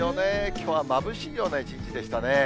きょうはまぶしいような一日でしたね。